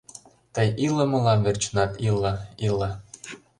Тый иле мылам верчынат, иле, иле!